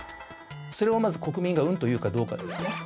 それをまず国民がうんと言うかどうかですね。